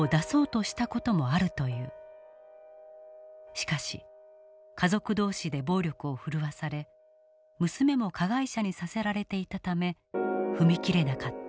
しかし家族同士で暴力を振るわされ娘も加害者にさせられていたため踏み切れなかった。